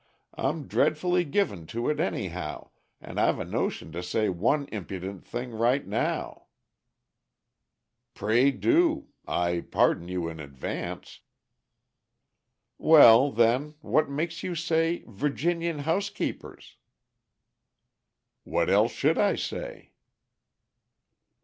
I'm dreadfully given to it anyhow, and I've a notion to say one impudent thing right now." "Pray do. I pardon you in advance." "Well, then, what makes you say 'Virginian housekeepers?'" "What else should I say?"